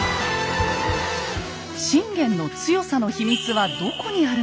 信玄の強さの秘密はどこにあるのか。